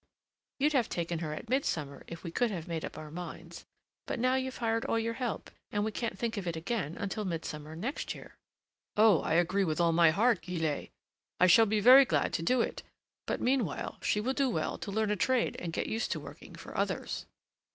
You'd have taken her at midsummer if we could have made up our minds; but now you've hired all your help, and we can't think of it again until midsummer next year." "Oh! I agree with all my heart, Guillette! I shall be very glad to do it. But, meanwhile, she will do well to learn a trade and get used to working for others."